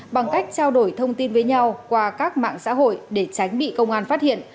bằng cách trao đổi thông tin với nhau qua các mạng xã hội để tránh bị công an phát hiện